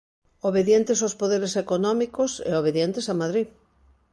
Obedientes aos poderes económicos e obedientes a Madrid.